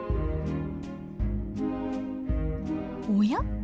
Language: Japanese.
おや？